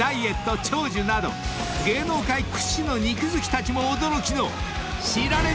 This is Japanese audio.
長寿など芸能界屈指の肉好きたちも驚きの］